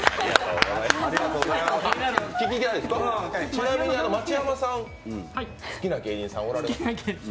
ちなみに町山さん、好きな芸人さんおられますか？